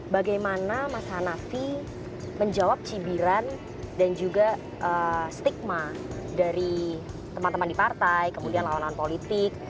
bagaimana mas hanafi menjawab cibiran dan juga stigma dari teman teman di partai kemudian lawan lawan politik